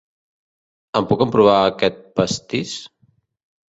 Em puc emprovar aquest pastís?